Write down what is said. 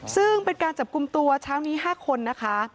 ซึ่งเป็นการจับกลุ่มตัวเช้านี้๕คนนะคะ